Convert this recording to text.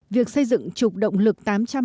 việc xây dựng trục động lực tám trăm hai mươi bốn